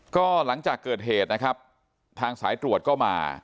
ก็หลังจากเกิดเหตุนะครับทางสายตรวจก็มา